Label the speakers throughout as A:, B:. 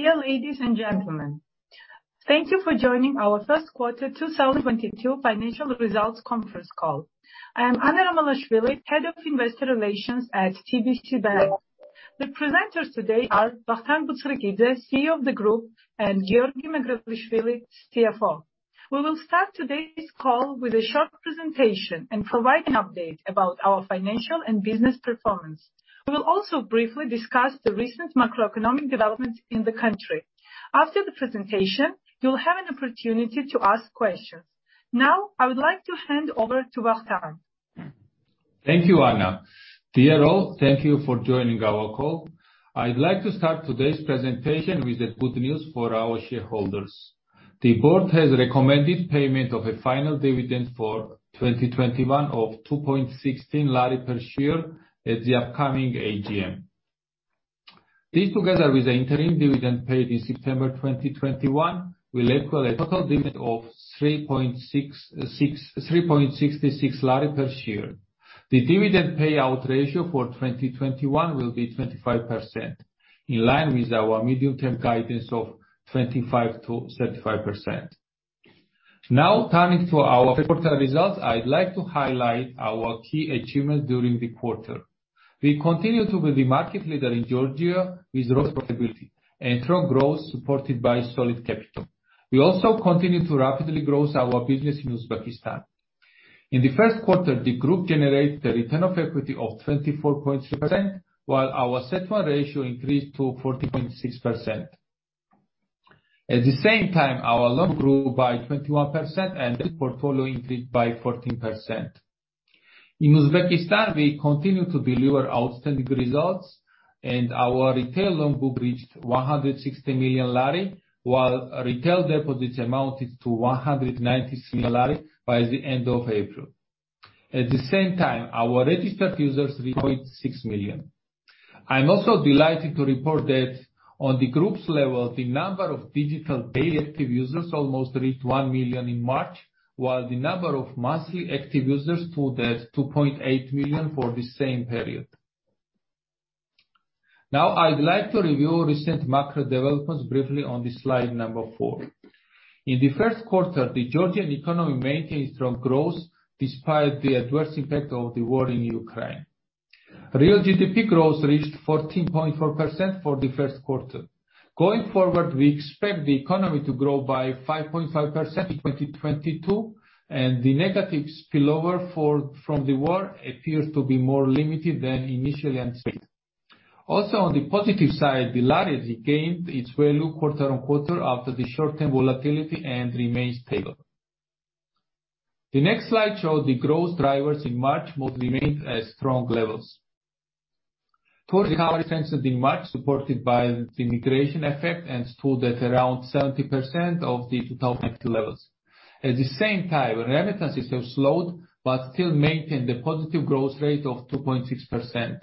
A: Dear ladies and gentlemen, thank you for joining our first quarter 2022 financial results conference call. I am Anna Romelashvili, Head of Investor Relations at TBC Bank. The presenters today are Vakhtang Butskhrikidze, CEO of the group, and Giorgi Megrelishvili, CFO. We will start today's call with a short presentation and provide an update about our financial and business performance. We will also briefly discuss the recent macroeconomic developments in the country. After the presentation, you'll have an opportunity to ask questions. Now, I would like to hand over to Vakhtang.
B: Thank you, Anna. Dear all, thank you for joining our call. I'd like to start today's presentation with the good news for our shareholders. The board has recommended payment of a final dividend for 2021 of 2.16 GEL per share at the upcoming AGM. This, together with the interim dividend paid in September 2021, will equal a total dividend of 3.66 GEL per share. The dividend payout ratio for 2021 will be 25%, in line with our medium-term guidance of 25%-35%. Now, turning to our first quarter results, I'd like to highlight our key achievements during the quarter. We continue to be the market leader in Georgia with strong profitability and strong growth supported by solid capital. We also continue to rapidly grow our business in Uzbekistan. In the first quarter, the group generated a return on equity of 24.3%, while our CET1 ratio increased to 14.6%. At the same time, our loan grew by 21% and the portfolio increased by 14%. In Uzbekistan, we continue to deliver outstanding results and our retail loan book reached GEL 160 million, while retail deposits amounted to GEL 190 million by the end of April. At the same time, our registered users reached 0.6 million. I'm also delighted to report that on the group's level, the number of digital daily active users almost reached 1 million in March, while the number of monthly active users stood at 2.8 million for the same period. Now, I'd like to review recent macro developments briefly on the slide number four. In the first quarter, the Georgian economy maintained strong growth despite the adverse impact of the war in Ukraine. Real GDP growth reached 14.4% for the first quarter. Going forward, we expect the economy to grow by 5.5% in 2022, and the negative spillover from the war appears to be more limited than initially anticipated. Also on the positive side, the lari regained its value quarter on quarter after the short-term volatility and remains stable. The next slide shows the growth drivers in March mostly remained at strong levels. Tourist recovery strengthened in March supported by the migration effect and stood at around 70% of the 2020 levels. At the same time, remittances have slowed but still maintain the positive growth rate of 2.6%.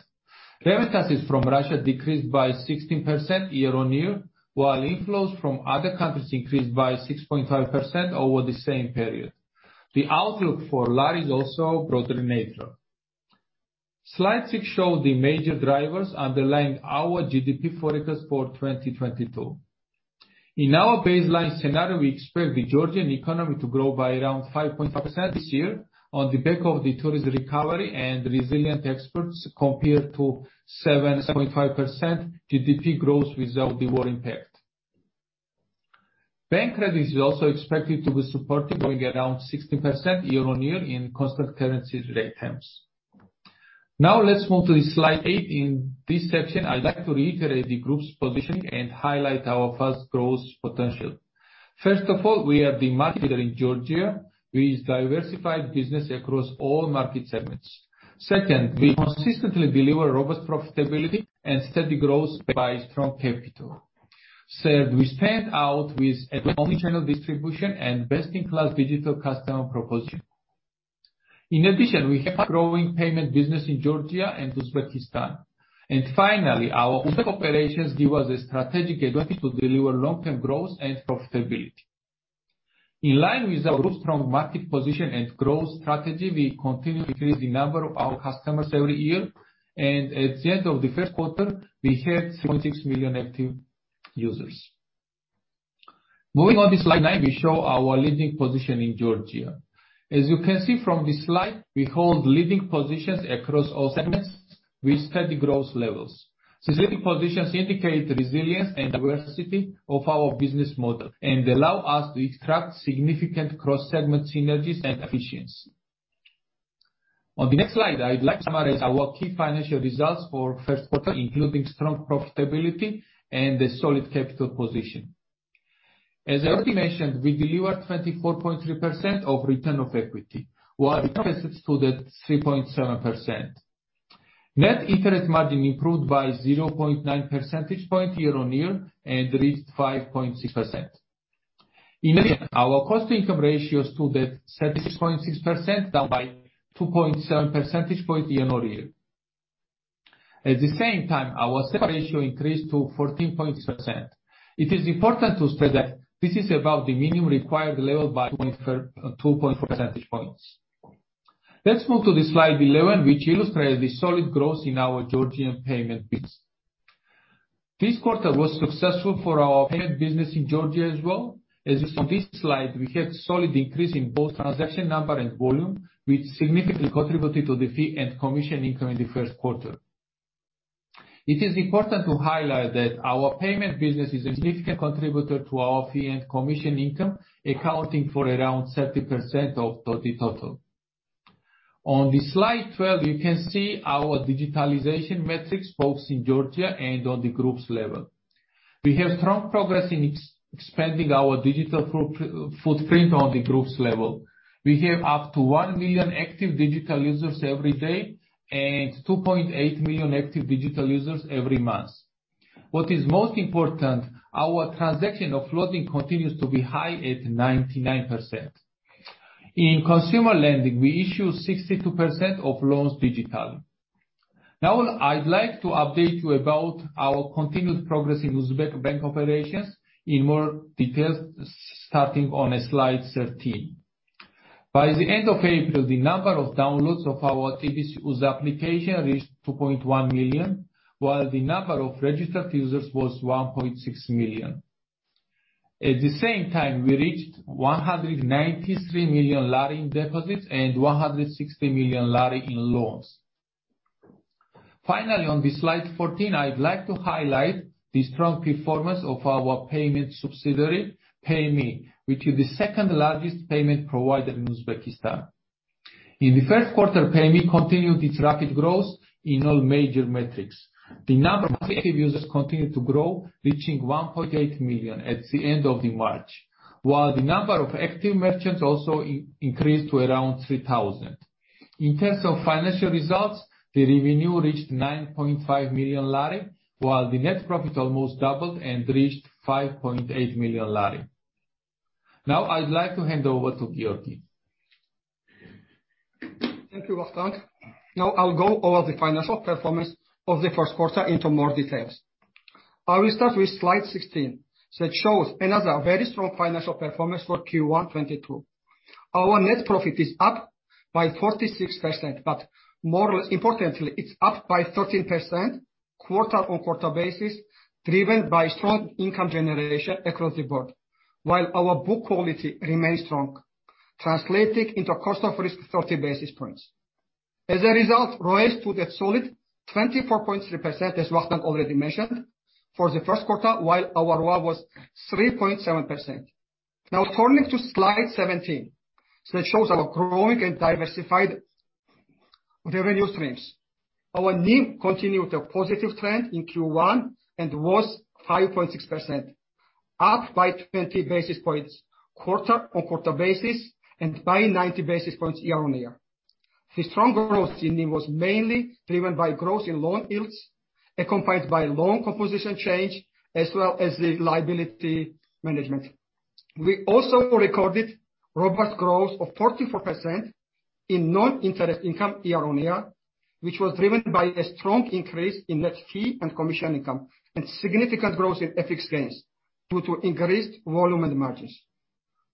B: Remittances from Russia decreased by 16% year-on-year, while inflows from other countries increased by 6.5% over the same period. The outlook for lari is also broadly neutral. Slide shows the major drivers underlying our GDP forecast for 2022. In our baseline scenario, we expect the Georgian economy to grow by around 5.5% this year on the back of the tourism recovery and resilient exports compared to 7.5% GDP growth without the war impact. Bank credit is also expected to be supported, growing around 16% year-on-year in constant currency rate terms. Now, let's move to Slide eight. In this section, I'd like to reiterate the group's positioning and highlight our fast growth potential. First of all, we are the market leader in Georgia with diversified business across all market segments. Second, we consistently deliver robust profitability and steady growth by strong capital. Third, we stand out with an omnichannel distribution and best-in-class digital customer proposition. In addition, we have a growing payment business in Georgia and Uzbekistan. Finally, our Uzbekistan operations give us a strategic advantage to deliver long-term growth and profitability. In line with our strong market position and growth strategy, we continue to increase the number of our customers every year, and at the end of the first quarter, we had 3.6 million active users. Moving on to slide nine, we show our leading position in Georgia. As you can see from this slide, we hold leading positions across all segments with steady growth levels. These leading positions indicate the resilience and diversity of our business model and allow us to extract significant cross-segment synergies and efficiencies. On the next slide, I'd like to summarize our key financial results for first quarter, including strong profitability and a solid capital position. As I already mentioned, we delivered 24.3% return on equity, while return on assets stood at 3.7%. Net interest margin improved by 0.9 percentage point year-on-year and reached 5.6%. In addition, our cost-to-income ratio stood at 36.6%, down by 2.7 percentage point year-on-year. At the same time, our CET1 ratio increased to 14.6%. It is important to stress that this is above the minimum required level by 1.4, 2.4 percentage points. Let's move to the slide 11, which illustrates the solid growth in our Georgian payment biz. This quarter was successful for our payment business in Georgia as well. As you see on this slide, we have solid increase in both transaction number and volume, which significantly contributed to the fee and commission income in the first quarter. It is important to highlight that our payment business is a significant contributor to our fee and commission income, accounting for around 30% of the total. On the slide 12, you can see our digitalization metrics both in Georgia and on the group's level. We have strong progress in expanding our digital footprint on the group's level. We have up to 1 million active digital users every day and 2.8 million active digital users every month. What is most important, our transaction offloading continues to be high at 99%. In consumer lending, we issue 62% of loans digitally. Now, I'd like to update you about our continued progress in Uzbek bank operations in more details, starting on slide 13. By the end of April, the number of downloads of our TBC UZ application reached 2.1 million, while the number of registered users was 1.6 million. At the same time, we reached GEL 193 million in deposits and GEL 160 million in loans. Finally, on slide 14, I'd like to highlight the strong performance of our payment subsidiary, Payme, which is the second-largest payment provider in Uzbekistan. In the first quarter, Payme continued its rapid growth in all major metrics. The number of active users continued to grow, reaching 1.8 million at the end of March, while the number of active merchants also increased to around 3,000. In terms of financial results, the revenue reached GEL 9.5 million, while the net profit almost doubled and reached GEL 5.8 million. Now, I'd like to hand over to Giorgi.
C: Thank you, Vakhtang. Now, I'll go over the financial performance of the first quarter in more details. I will start with slide 16 that shows another very strong financial performance for Q1 2022. Our net profit is up by 46%, but more importantly, it's up by 13% quarter-over-quarter basis, driven by strong income generation across the board, while our book quality remains strong, translating into a cost of risk 30 basis points. As a result, ROE stood at solid 24.3%, as Vakhtang already mentioned, for the first quarter, while our ROA was 3.7%. Now turning to slide 17, it shows our growing and diversified revenue streams. Our NIM continued a positive trend in Q1 and was 5.6%, up by 20 basis points quarter-over-quarter basis and by 90 basis points year-on-year. The strong growth in NIM was mainly driven by growth in loan yields, accompanied by loan composition change as well as the liability management. We also recorded robust growth of 44% in non-interest income year-on-year, which was driven by a strong increase in net fee and commission income, and significant growth in FX gains due to increased volume and margins.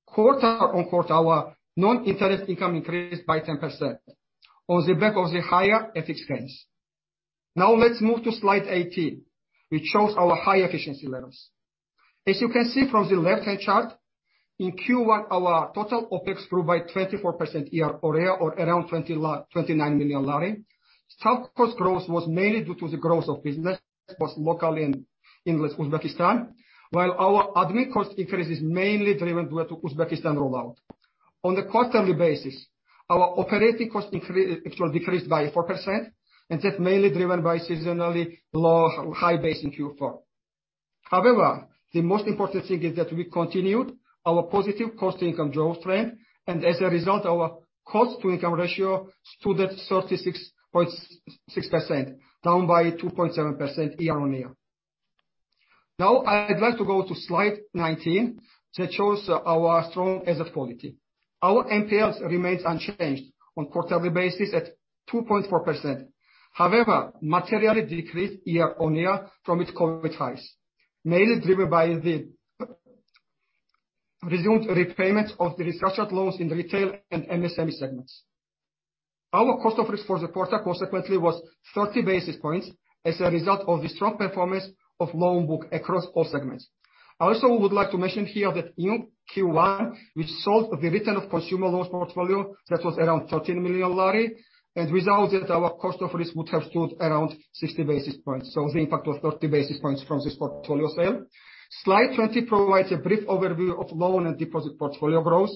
C: Quarter-on-quarter, our non-interest income increased by 10% on the back of the higher FX gains. Now, let's move to slide 18. It shows our high efficiency levels. As you can see from the left-hand chart, in Q1, our total OpEx grew by 24% year-over-year or around GEL 29 million. Staff-cost growth was mainly due to the growth of business both locally and in Uzbekistan, while our admin cost increase is mainly driven due to Uzbekistan rollout. On a quarterly basis, our operating cost actually decreased by 4%, and that's mainly driven by seasonally low or high base in Q4. However, the most important thing is that we continued our positive cost-to-income growth trend, and as a result, our cost-to-income ratio stood at 36.6%, down by 2.7% year-on-year. Now, I'd like to go to slide 19, that shows our strong asset quality. Our NPLs remains unchanged on quarterly basis at 2.4%. However, materially decreased year-on-year from its COVID highs, mainly driven by the resumed repayments of the restructured loans in the retail and MSME segments. Our cost of risk for the quarter consequently was 30 basis points as a result of the strong performance of loan book across all segments. I also would like to mention here that in Q1, we sold the return of consumer loans portfolio that was around GEL 13 million, and without it, our cost of risk would have stood around 60 basis points. The impact was 30 basis points from this portfolio sale. Slide 20 provides a brief overview of loan and deposit portfolio growth.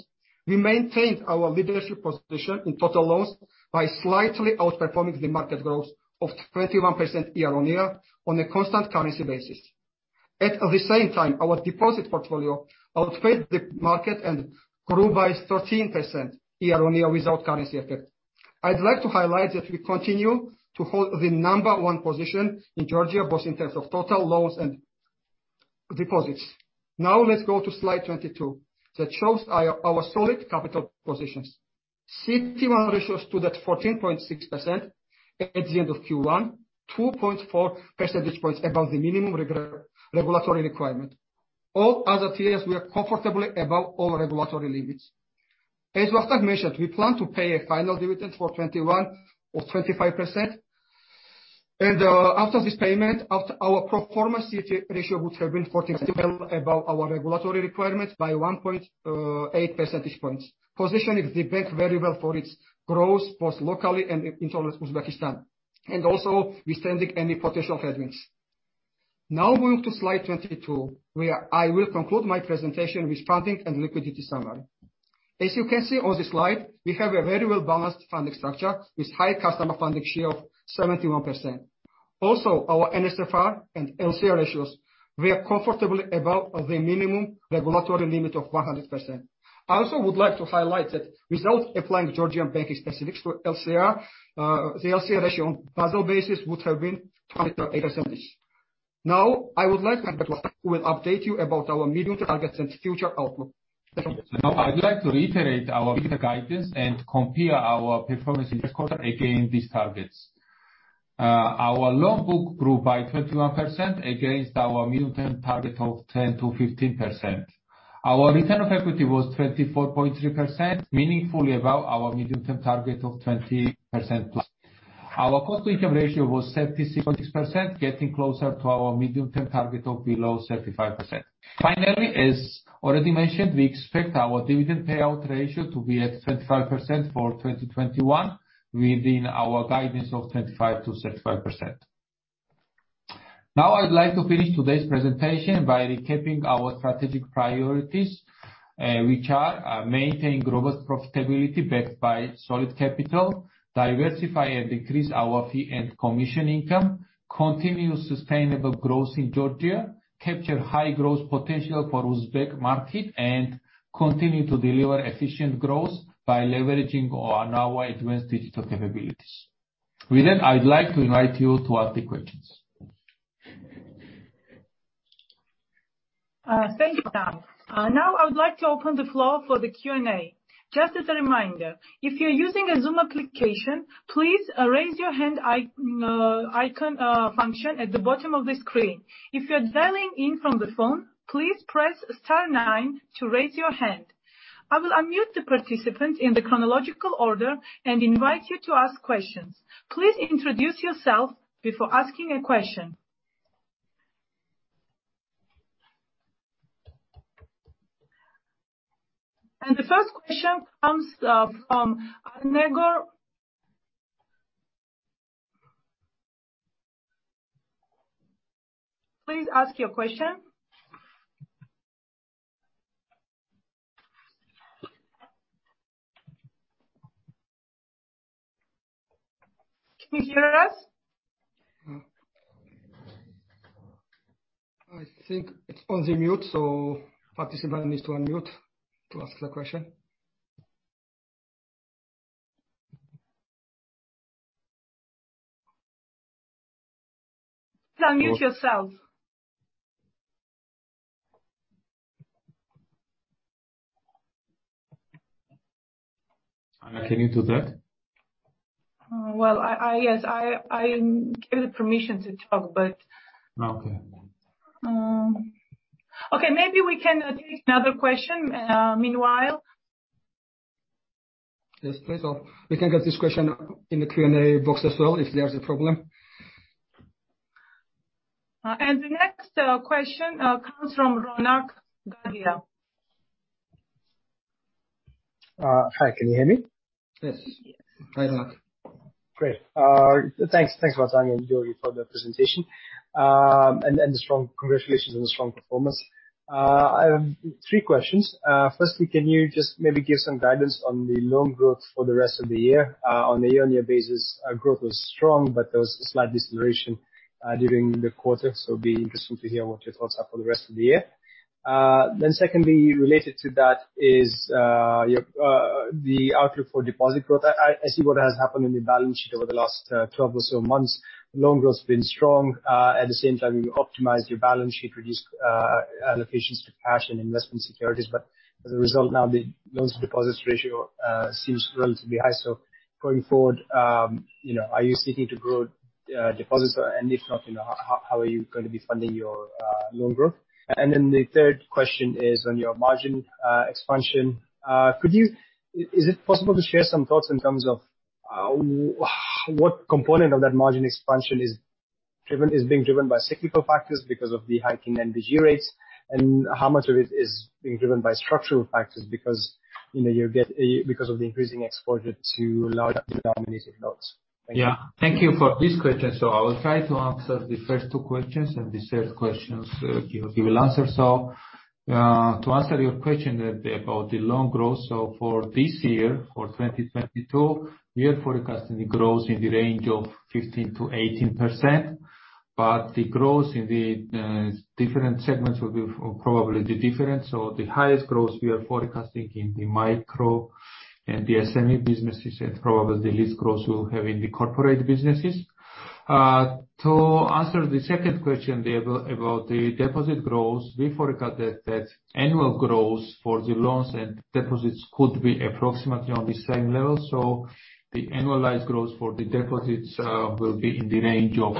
C: We maintained our leadership position in total loans by slightly outperforming the market growth of 21% year-on-year on a constant currency basis. At the same time, our deposit portfolio outperformed the market and grew by 13% year-on-year without currency effect. I'd like to highlight that we continue to hold the number one position in Georgia, both in terms of total loans and deposits. Now, let's go to Slide 22 that shows our solid capital positions. CET1 ratio stood at 14.6% at the end of Q1, 2.4 percentage points above the minimum regulatory requirement. All other tiers were comfortably above all regulatory limits. As Vakhtang mentioned, we plan to pay a final dividend for 2021 of 25%. After this payment, our pro forma CET1 ratio would have been 14.12% above our regulatory requirements by 1.8 percentage points, positioning the bank very well for its growth, both locally and in terms of Uzbekistan, and also withstanding any potential headwinds. Now moving to slide 22, where I will conclude my presentation with funding and liquidity summary. As you can see on this slide, we have a very well-balanced funding structure with high customer funding share of 71%. Also, our NSFR and LCR ratios were comfortably above the minimum regulatory limit of 100%. I also would like to highlight that results applying Georgian banking specifics to LCR, the LCR ratio on Basel basis would have been 28%. Now, I would like to hand back to Vakhtang Butskhrikidze who will update you about our medium-term targets and future outlook. Vakhtang Butskhrikidze?
B: Now I'd like to reiterate our medium-term guidance and compare our performance in this quarter against these targets. Our loan book grew by 21% against our medium-term target of 10%-15%. Our return on equity was 24.3%, meaningfully above our medium-term target of 20%+. Our cost-to-income ratio was 36%, getting closer to our medium-term target of below 35%. Finally, as already mentioned, we expect our dividend payout ratio to be at 25% for 2021 within our guidance of 25%-35%. Now I'd like to finish today's presentation by recapping our strategic priorities, which are, maintain robust profitability backed by solid capital, diversify and increase our fee and commission income, continue sustainable growth in Georgia, capture high growth potential for Uzbek market, and continue to deliver efficient growth by leveraging on our advanced digital capabilities. With that, I'd like to invite you to ask the questions.
A: Thank you, Vakhtang Butskhrikidze. Now I would like to open the floor for the Q&A. Just as a reminder, if you're using a Zoom application, please raise your hand icon function at the bottom of the screen. If you're dialing in from the phone, please press star nine to raise your hand. I will unmute the participant in the chronological order and invite you to ask questions. Please introduce yourself before asking a question. The first question comes from Andrew Keeley. Please ask your question. Can you hear us?
C: I think it's on mute, so participant needs to unmute to ask the question.
A: Unmute yourself.
B: Anna, can you do that?
A: Well, yes, I gave the permission to talk, but.
B: Okay.
A: Okay, maybe we can take another question, meanwhile.
C: Yes, please. We can get this question in the Q&A box as well, if there's a problem.
A: The next question comes from Ronak Gadia.
D: Hi, can you hear me?
B: Yes.
A: Yes.
B: Hi, Ronak.
D: Great. Thanks. Thanks, Vakhtang and Giorgi, for the presentation. Strong congratulations on the strong performance. I have three questions. Firstly, can you just maybe give some guidance on the loan growth for the rest of the year? On a year-over-year basis, growth was strong, but there was a slight deceleration during the quarter. It'd be interesting to hear what your thoughts are for the rest of the year. Secondly, related to that is your, the outlook for deposit growth. I see what has happened in the balance sheet over the last 12 or so months. Loan growth's been strong. At the same time, you optimized your balance sheet, reduced allocations to cash and investment securities. As a result, now the loans to deposits ratio seems relatively high. Going forward, you know, are you seeking to grow deposits? If not, you know, how are you going to be funding your loan growth? The third question is on your margin expansion. Could you is it possible to share some thoughts in terms of what component of that margin expansion is being driven by cyclical factors because of the hiking NBG rates, and how much of it is being driven by structural factors? Because of the increasing exposure to lari-denominated loans. Thank you.
B: Thank you for this question. I will try to answer the first two questions, and the third questions, Giorgi will answer. To answer your question about the loan growth, for this year, for 2022, we are forecasting the growth in the range of 15%-18%, but the growth in the different segments will be probably different. The highest growth we are forecasting in the micro and the SME businesses, and probably the least growth we'll have in the corporate businesses. To answer the second question, about the deposit growth, we forecasted that annual growth for the loans and deposits could be approximately on the same level. The annualized growth for the deposits will be in the range of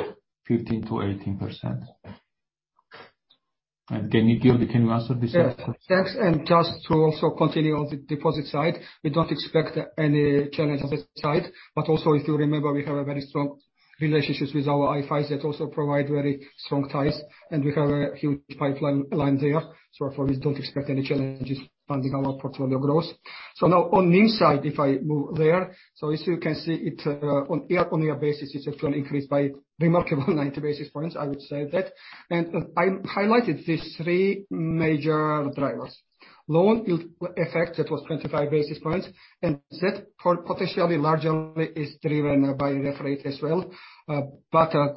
B: 15%-18%. Can you answer this?
C: Yes. Thanks. Just to also continue on the deposit side, we don't expect any challenge on that side. Also, if you remember, we have a very strong relationships with our IFIs that also provide very strong ties, and we have a huge pipeline there. Therefore, we don't expect any challenges funding our portfolio growth. Now on NII side, if I move there, as you can see it, on year-on-year basis, it's actually increased by remarkable 90 basis points, I would say that. I highlighted these three major drivers. Loan yield effect, that was 25 basis points, and that potentially largely is driven by refinancing rate as well.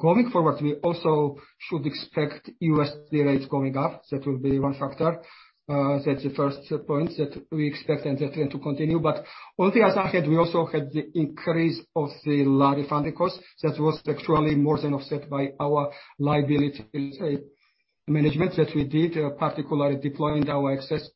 C: Going forward, we also should expect USD rates going up. That will be one factor. That's the first point that we expect and that trend to continue. All things ahead, we also had the increase of the lari funding costs. That was actually more than offset by our liability, let's say, management that we did, particularly deploying our excess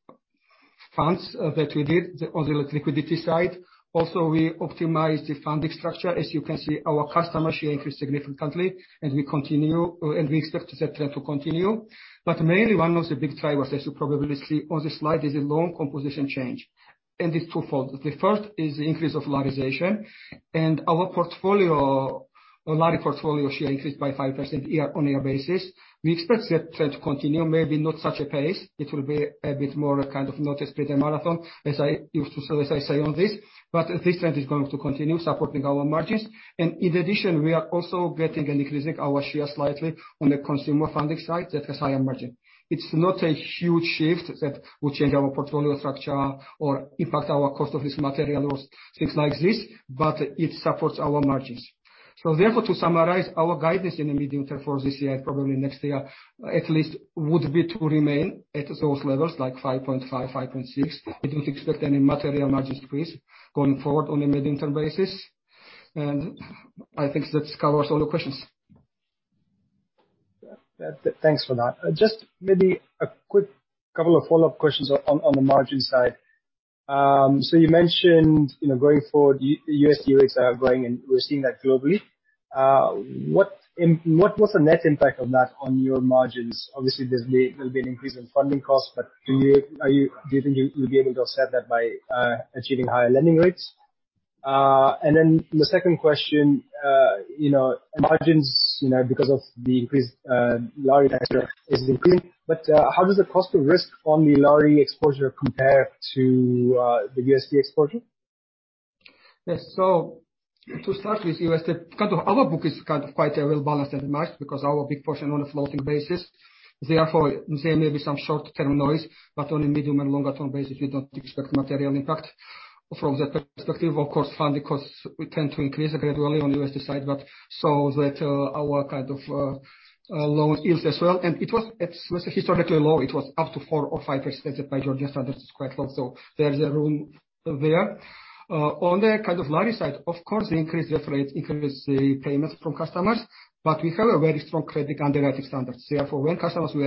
C: funds, that we did on the liquidity side. Also, we optimized the funding structure. As you can see, our customer share increased significantly, and we continue, and we expect that trend to continue. Mainly one of the big drivers, as you probably see on the slide, is the loan composition change. It's twofold. The first is the increase of Larization. Our portfolio, our lari portfolio share increased by 5% year-on-year basis. We expect that trend to continue, maybe not such a pace. It will be a bit more kind of not a sprint, a marathon, as I used to say, as I say on this. This trend is going to continue supporting our margins. In addition, we are also getting an increasing share slightly on the consumer funding side that has higher margin. It's not a huge shift that will change our portfolio structure or impact our cost of risk materially or things like this, but it supports our margins. Therefore, to summarize our guidance in the medium term for this year, probably next year at least, would be to remain at those levels, like 5.5%, 5.6%. We don't expect any material margin increase going forward on a medium-term basis. I think that covers all the questions.
D: Thanks for that. Just maybe a quick couple of follow-up questions on the margin side. So you mentioned, you know, going forward, USD rates are going and we're seeing that globally. What's the net impact of that on your margins? Obviously, there will be an increase in funding costs, but do you think you'll be able to offset that by achieving higher lending rates? Then the second question, you know, margins, you know, because of the increased Larization is increasing, but how does the cost of risk on the lari exposure compare to the USD exposure?
C: Yes. To start with USD, kind of our book is kind of quite a well-balanced and mixed because our big portion on a floating basis, therefore there may be some short term noise, but on a medium and longer term basis, we don't expect material impact from that perspective. Of course, funding costs will tend to increase gradually on USD side, but so that, our kind of, loan yields as well. It was historically low. It was up to 4 or 5%, that by Georgian standards is quite low, so there's a room there. On the kind of lari side, of course the increased refinancing rate increase the payments from customers, but we have a very strong credit underwriting standards. Therefore, when customers were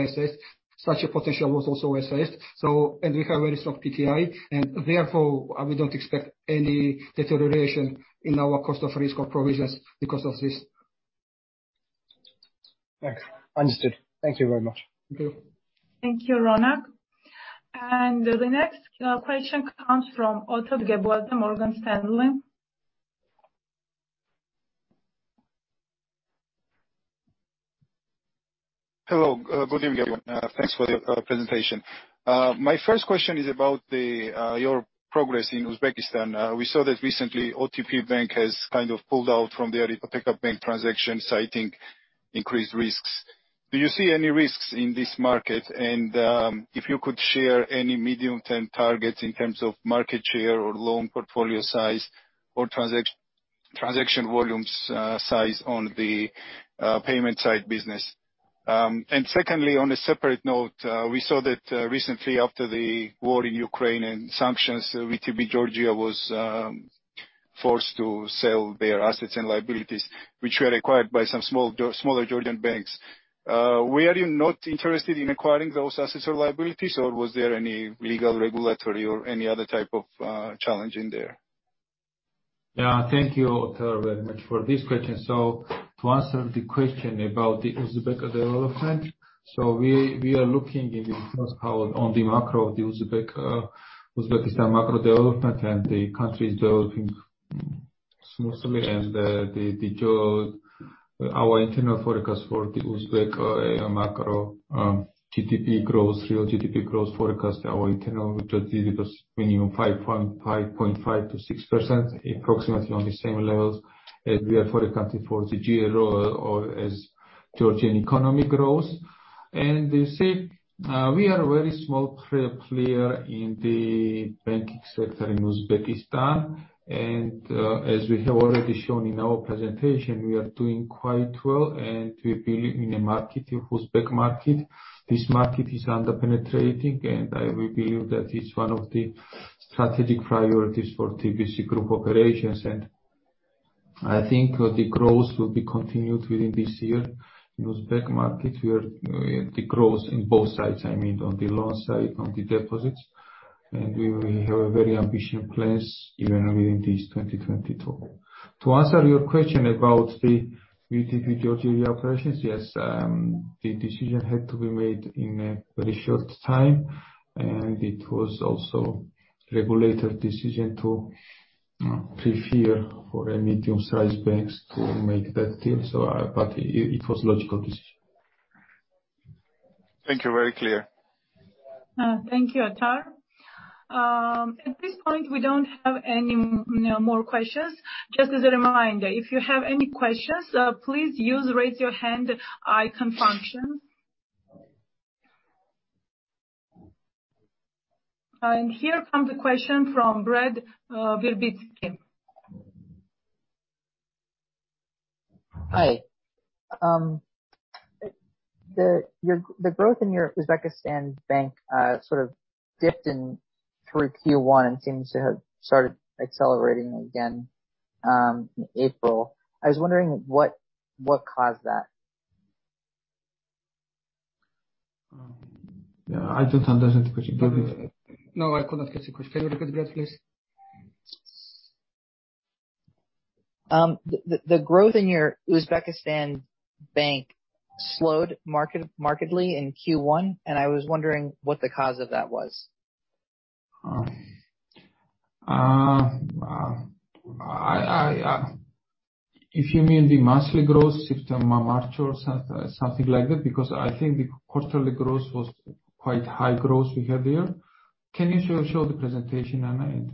C: assessed, such a potential was also assessed, so. We have very strong PTI, and therefore, we don't expect any deterioration in our cost of risk or provisions because of this.
D: Thanks. Understood. Thank you very much.
C: Okay.
A: Thank you, Ronak. The next question comes from Otar Nadaraia, Morgan Stanley.
E: Hello. Good evening, everyone. Thanks for the presentation. My first question is about your progress in Uzbekistan. We saw that recently OTP Bank has kind of pulled out from their Ipak Yuli transaction, citing increased risks. Do you see any risks in this market? If you could share any medium-term targets in terms of market share or loan portfolio size or transaction volumes, size on the payment side business. Secondly, on a separate note, we saw that recently after the war in Ukraine and sanctions, VTB Bank Georgia (assets acquired by Basisbank and Liberty Bank) was forced to sell their assets and liabilities, which were acquired by some smaller Georgian banks. Were you not interested in acquiring those assets or liabilities, or was there any legal, regulatory or any other type of challenge in there?
B: Yeah, thank you, Otar, very much for this question. To answer the question about the Uzbek development, we are looking in the first half on the macro of the Uzbek, Uzbekistan macro development and the country is developing smoothly. Our internal forecast for the Uzbek, macro, GDP growth, real GDP growth forecast, our internal, which was minimum 5.5%-6%, approximately on the same levels as we are forecasting for the GEO or as Georgian economy grows. You see, we are a very small player in the banking sector in Uzbekistan. As we have already shown in our presentation, we are doing quite well, and we believe in the market, the Uzbek market. This market is under-penetrating, and we believe that it's one of the strategic priorities for TBC Group operations. I think the growth will be continued within this year. In Uzbek market, we are the growth in both sides, I mean, on the loan side, on the deposits. We will have a very ambitious plans even within this 2022. To answer your question about the VTB Bank Georgia operations, yes, the decision had to be made in a very short time, and it was also regulatory decision to prefer for a medium-sized banks to make that deal. It was logical decision.
F: Thank you. Very clear.
A: Thank you, Otar Nadaraia. At this point, we don't have any more questions. Just as a reminder, if you have any questions, please use Raise Your Hand icon function. Here comes a question from Brad Gvozdetsky.
G: Hi. The growth in your Uzbekistan bank sort of dipped in Q1 and seems to have started accelerating again in April. I was wondering what caused that?
B: Yeah, I don't understand the question. Can you-
A: No, I could not get the question. Can you repeat, Brad, please?
G: The growth in your Uzbekistan bank slowed markedly in Q1, and I was wondering what the cause of that was?
B: If you mean the monthly growth, if the March or something like that, because I think the quarterly growth was quite high growth we had there. Can you show the presentation, Anna, and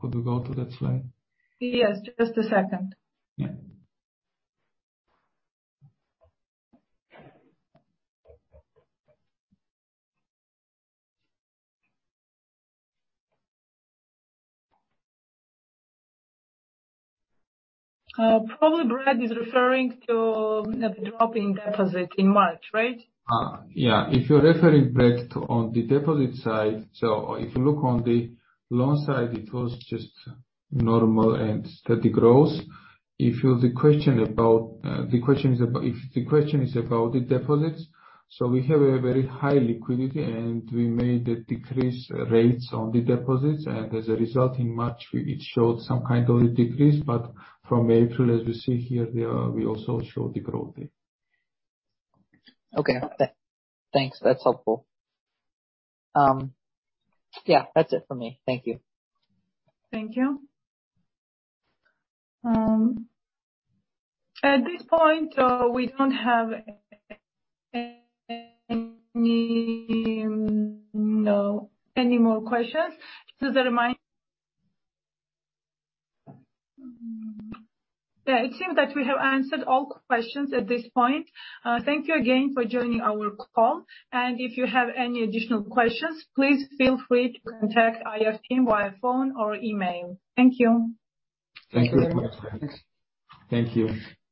B: could we go to that slide?
A: Yes, just a second.
B: Yeah.
A: Probably Brad is referring to a drop in deposits in March, right?
B: Yeah. If you're referring, Brad, to on the deposit side, if you look on the loan side, it was just normal and steady growth. If your question is about the deposits, we have a very high liquidity, and we made a decrease rates on the deposits. As a result, in March, it showed some kind of a decrease, but from April, as you see here, we also show the growth there.
G: Okay. Thanks, that's helpful. Yeah, that's it from me. Thank you.
A: Thank you. At this point, we don't have any, you know, any more questions. It seems that we have answered all questions at this point. Thank you again for joining our call. If you have any additional questions, please feel free to contact IR team via phone or email. Thank you.
B: Thank you very much. Thank you.